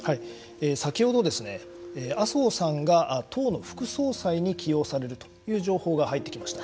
先ほど麻生さんが党の副総裁に起用されるという情報が入ってきました。